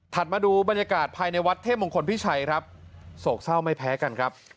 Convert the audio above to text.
มาดูบรรยากาศภายในวัดเทพมงคลพิชัยครับโศกเศร้าไม่แพ้กันครับ